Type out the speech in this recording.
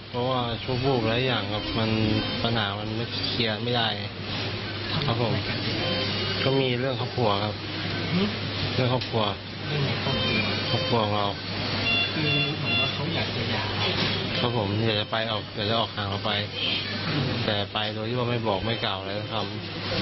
ครับผมอยากจะไปอยากจะออกทางเข้าไปแต่ไปโดยที่ไม่บอกไม่กล่าวอะไรก็ทำ